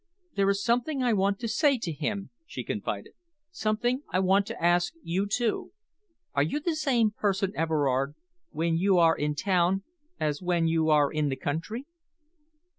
"There is something I want to say to him," she confided, "something I want to ask you, too. Are you the same person, Everard, when you are in town as when you are in the country?"